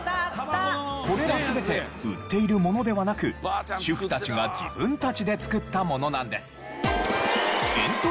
これら全て売っているものではなく主婦たちが自分たちで作ったものなんです。